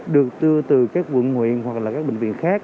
được đưa từ các quận huyện hoặc là các bệnh viện khác